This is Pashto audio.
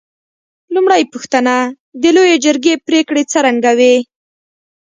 لومړۍ پوښتنه: د لویې جرګې پرېکړې څرنګه وې؟